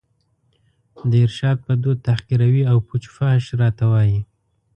د ارشاد په دود تحقیروي او پوچ و فحش راته وايي